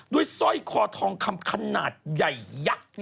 สร้อยคอทองคำขนาดใหญ่ยักษ์